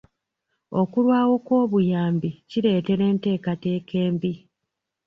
Okulwawo kw'obuyambi kireetera enteekateeka embi.